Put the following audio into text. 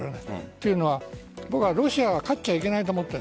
というのはロシアは勝っちゃいけないと思っている。